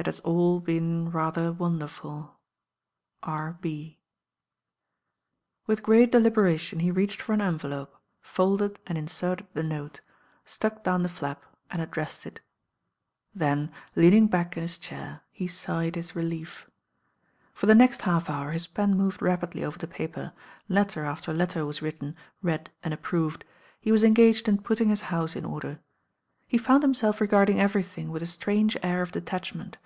It has all been rather wonderfuL *'R B *' With great deliberation he reached for 'an' en ftlope, folded and inserted the note, studc down t04 THE RAIN GIRL i the flap and addressed it. Then, leaning back in hit chair, he sighed his relief. For the next half hour his pen moved rapidly over the paper. Letter after letter was written, read and approved. He was engaged in putting nis house m order. He found himself regarding everything with a strange air of detachment.